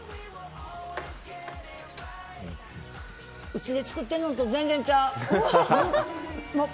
うちで作ってるのと全然違う。